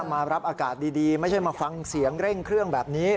มารับอากาศดีไม่ใช่มาฟังเสียงเร่งเครื่องแบบนี้